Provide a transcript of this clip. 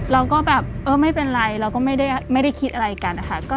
เราก็แบบเออไม่เป็นไรเราก็ไม่ได้คิดอะไรกันนะคะ